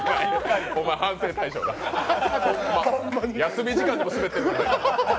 休み時間でもスベってる。